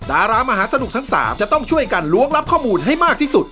ดารามหาสนุกทั้ง๓จะต้องช่วยกันล้วงรับข้อมูลให้มากที่สุด